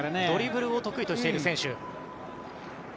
ドリブルを得意としている選手。